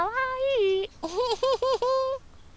ウフフフフ。